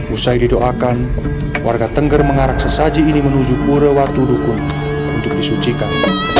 usai didoakan warga tengger mengarah sesaji ini menuju pura watu dukung untuk disucikan